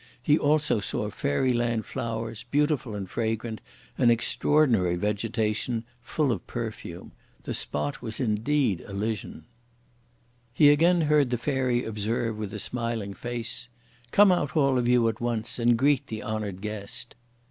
He also saw fairyland flowers, beautiful and fragrant, and extraordinary vegetation, full of perfume. The spot was indeed elysian. He again heard the Fairy observe with a smiling face: "Come out all of you at once and greet the honoured guest!"